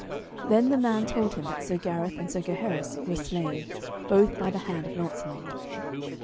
Then the man told him that Sir Gareth and Sir Gaheris were slain, both by the hand of Launcelot.